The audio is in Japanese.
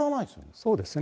そうですよね。